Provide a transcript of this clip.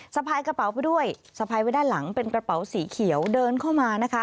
สะพายกระเป๋าไปด้วยสะพายไว้ด้านหลังเป็นกระเป๋าสีเขียวเดินเข้ามานะคะ